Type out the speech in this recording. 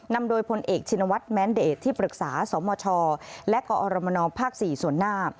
นำโดยพลเอกชินวัฒน์แม้นเดชที่ปรึกษาสมชและกอรมนภ๔ส่วนหน้า